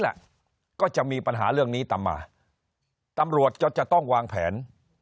แหละก็จะมีปัญหาเรื่องนี้ตามมาตำรวจก็จะต้องวางแผน